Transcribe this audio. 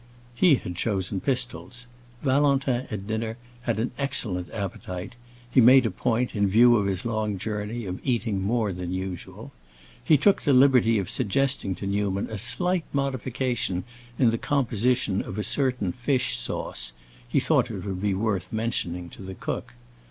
He had chosen pistols. Valentin, at dinner, had an excellent appetite; he made a point, in view of his long journey, of eating more than usual. He took the liberty of suggesting to Newman a slight modification in the composition of a certain fish sauce; he thought it would be worth mentioning to the cook.